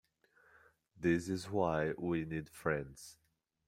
This is why we need friends.